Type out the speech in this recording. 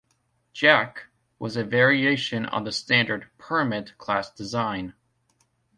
"Jack" was a variation on the standard "Permit"-class design.